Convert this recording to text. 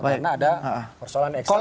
karena ada persoalan eksternal